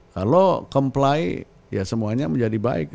kalau comply ya semuanya menjadi baik